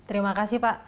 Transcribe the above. terima kasih pak